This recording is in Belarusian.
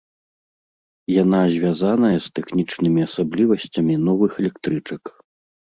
Яна звязаная з тэхнічнымі асаблівасцямі новых электрычак.